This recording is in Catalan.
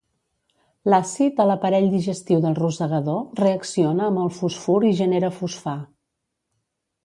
L'àcid a l'aparell digestiu del rosegador reacciona amb el fosfur i genera fosfà.